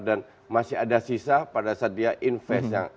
dan masih ada sisa pada saat dia invest